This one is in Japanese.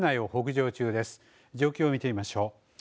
状況を見てみましょう。